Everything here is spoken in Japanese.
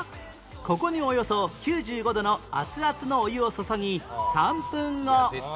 ここにおよそ９５度の熱々のお湯を注ぎ